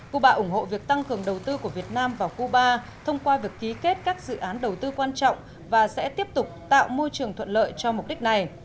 cuba ủng hộ việc tăng cường đầu tư của việt nam vào cuba thông qua việc ký kết các dự án đầu tư quan trọng và sẽ tiếp tục tạo môi trường thuận lợi cho mục đích này